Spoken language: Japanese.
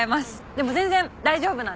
でも全然大丈夫なんで。